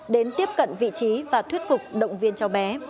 đến tiếp cận vị trí và thuyết phục động viên cháu bé